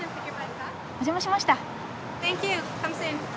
お邪魔しました。